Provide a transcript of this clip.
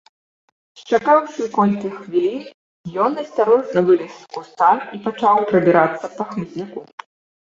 Счакаўшы колькі хвілін, ён асцярожна вылез з куста і пачаў прабірацца па хмызняку.